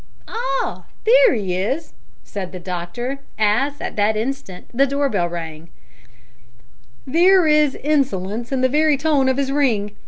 "Ah! there he is" said the doctor, as, at that instant, the door bell rang; "there is insolence in the very tone of his ring.